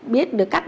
biết được cách